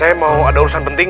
saya mau ada urusan penting